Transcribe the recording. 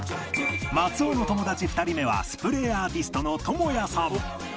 松尾の友達２人目はスプレーアーティストの ＴＯＭＯＹＡ さん